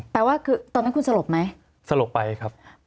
แปลว่าคือตอนนั้นคุณสลบไหมสลบไปครับ